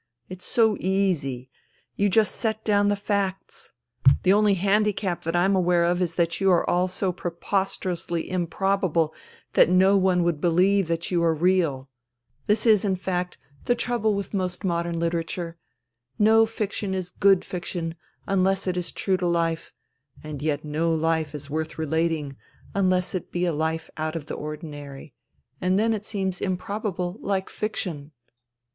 It's so easy. You just set down the facts. The only handicap that I'm aware of is that you are all of you so preposterously THE THREE SISTERS 78 improbable that no one would believe that you were real. This is, in fact, the trouble with most modern literature. No fiction is good fiction unless it is true to life, and yet no life is worth relating unless it be a life out of the ordinary ; and then it seems improbable like fiction."